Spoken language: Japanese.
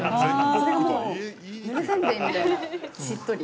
それがもう、ぬれせんべいみたいなしっとり。